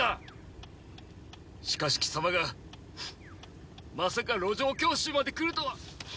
しかし貴様がまさか路上教習までくるとは。